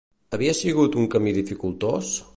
Havia sigut un camí dificultós?